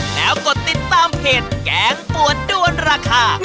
แล้วกดติดตามเพจแกงปวดด้วนราคา